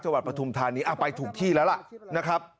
จังหวัดประธุมธรรมนี้ไปถูกที่แล้วล่ะนะครับ